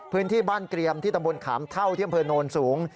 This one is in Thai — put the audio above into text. พื้นที่บ้านเกรียมที่ตะบนขามเท่าเที่ยงเผินนโรนสูง